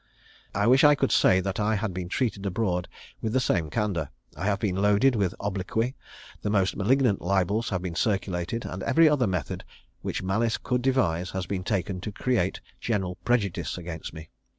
I wish I could say that I had been treated abroad with the same candour. I have been loaded with obloquy; the most malignant libels have been circulated, and every other method which malice could devise has been taken to create general prejudice against me.